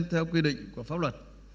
theo quy định của pháp luật